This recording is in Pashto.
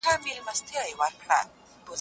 مثبت فکر د ژوند په هر حالت کي مو هوډمن ساتي.